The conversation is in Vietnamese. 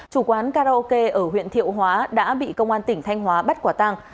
chủ quán karaoke ở huyện thiệu hóa đã bị công an tỉnh thanh hóa bắt quả tàng